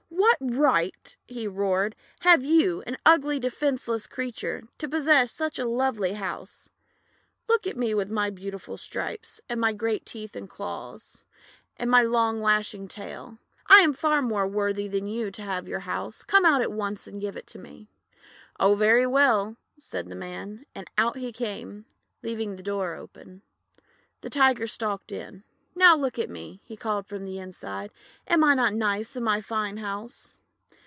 "What right," he roared, "have you — an ugly, defenceless creature — to possess such a lovely house? Look at me with my beautiful stripes, and my great teeth and claws, and my 188 THE WONDER GARDEN long lashing tail. I am far more worthy than you to have your house. Come out at once and give it to me." ;<Oh, very well," said the Man, and out he came, leaving the door open. The Tiger stalked in. "Now look at me!' he called from inside. "Am I not nice in my fine house?'